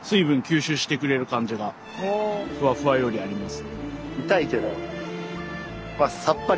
ふわふわよりあります。